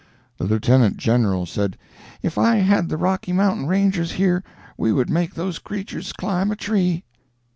The Lieutenant General said, 'If I had the Rocky Mountain Rangers here, we would make those creatures climb a tree.